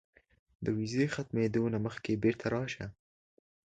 د ویزې ختمېدو نه مخکې بیرته راشه.